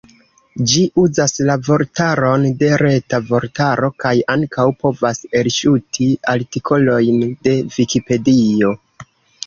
Ĝi uzas la vortaron de Reta Vortaro, kaj ankaŭ povas elŝuti artikolojn de Vikipedio.